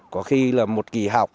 có khi là một kỳ học